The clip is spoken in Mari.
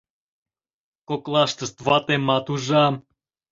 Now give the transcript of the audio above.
Коклаштышт ватемат ужам.